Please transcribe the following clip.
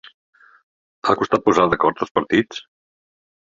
Ha costat posar d’acord els partits?